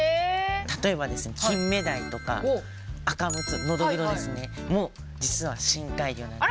例えばですねキンメダイとかアカムツノドグロも実は深海魚なんです。